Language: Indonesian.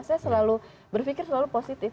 saya selalu berpikir selalu positif